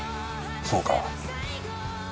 そうか。